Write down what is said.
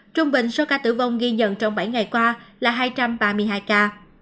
trung bình số ca tử vong ghi nhận trong bảy ngày qua là hai trăm ba mươi hai ca